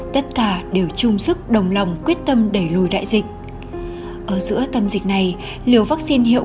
tất cả đều chung sức đồng lòng quyết tâm đẩy lùi đại dịch ở giữa tâm dịch này liều vaccine hiệu